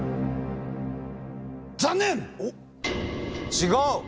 違う。